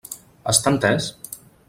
Està entès?